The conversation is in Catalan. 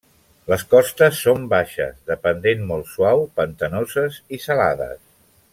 Les costes són baixes, de pendent molt suau, pantanoses i salades.